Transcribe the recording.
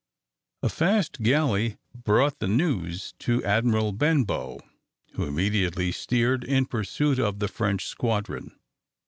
A fast galley brought this news to Admiral Benbow, who immediately steered in pursuit of the French squadron.